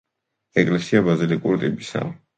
ეკლესია ბაზილიკური ტიპისაა.